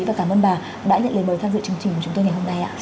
và cảm ơn bà đã nhận lời tham dự chương trình của chúng tôi ngày hôm nay